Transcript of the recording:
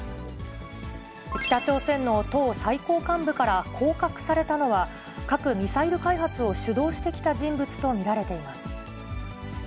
北朝鮮の党最高幹部から降格されたのは、核・ミサイル開発を主導してきた人物と見られています。